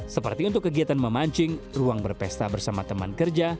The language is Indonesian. seperti untuk kegiatan memancing ruang berpesta bersama teman kerja